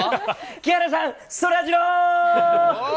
木原さん、そらジロー！